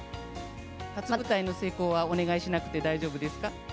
初舞台の成功はお願いしなくて大丈夫ですか？